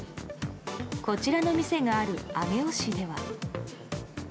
こちらの店がある上尾市では。